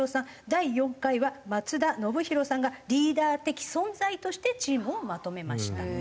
第４回は松田宣浩さんがリーダー的存在としてチームをまとめました。